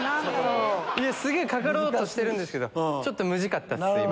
すげぇかかろうとしてるけどちょっとムズかったっす。